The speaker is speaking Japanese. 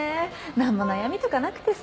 何も悩みとかなくてさ。